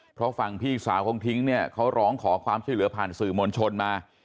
เพราะฝั่งพี่สาวของทิ้งเนี่ยเขาร้องขอความช่วยเหลือผ่านสื่อมวลชนมา